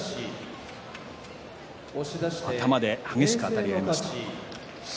頭で激しくあたり合いました。